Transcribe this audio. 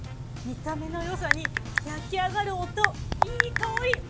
見た目のよさに焼き上がる音いい香り